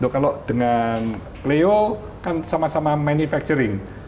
kalau dengan leo kan sama sama manufacturing